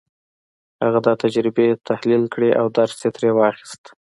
هغه دا تجربې تحليل کړې او درس يې ترې واخيست.